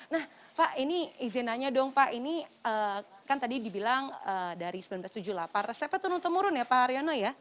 nah pak ini izin nanya dong pak ini kan tadi dibilang dari seribu sembilan ratus tujuh puluh delapan resepnya turun temurun ya pak haryono ya